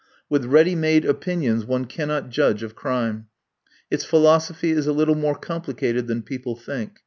With ready made opinions one cannot judge of crime. Its philosophy is a little more complicated than people think.